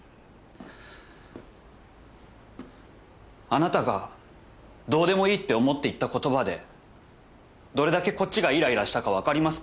あなたがどうでもいいって思って言った言葉でどれだけこっちがイライラしたか分かりますか？